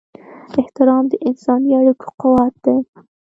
احترام د انساني اړیکو قوت دی.